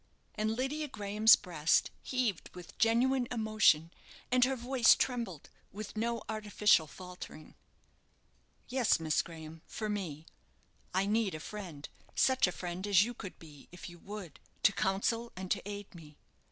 and Lydia Graham's breast heaved with genuine emotion, and her voice trembled with no artificial faltering. "Yes, Miss Graham, for me. I need a friend, such a friend as you could be, if you would, to counsel and to aid me.